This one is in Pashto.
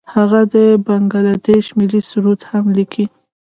هغه د بنګله دیش ملي سرود هم لیکلی.